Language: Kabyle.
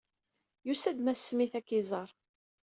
Yusa-d Mass Smith ad k-iẓeṛ.